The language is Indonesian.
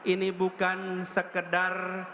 ini bukan sekedar